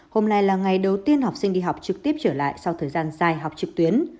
hôm nay là ngày đầu tiên học sinh đi học trực tiếp trở lại sau thời gian dài học trực tuyến